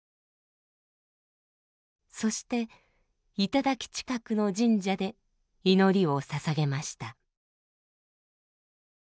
そして頂近くの神社で祈りをささげました。